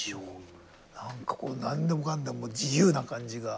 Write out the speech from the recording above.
何かこう何でもかんでも自由な感じが。